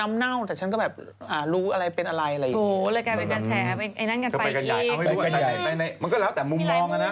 เมื่อกี้แบบเออจริงแล้วก็เขาเห็นด้วยนะที่เขาจะเทิดกลุ่มนี้